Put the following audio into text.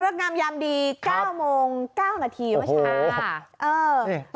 งามยามดี๙โมง๙นาทีเมื่อเช้า